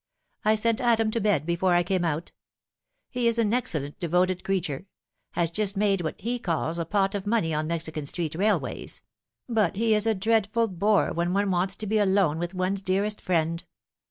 I sent Adam to bed before I came out. He is an excellent devoted creature has just made what he calls a pot of money on Mexican Street Railways ; but he is a dreadful bore when one wants to be alone with one's dearest friend.